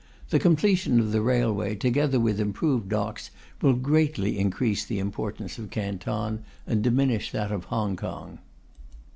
The completion of the railway, together with improved docks, will greatly increase the importance of Canton and diminish that of Hong Kong.